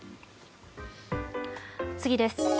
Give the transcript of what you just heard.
次です。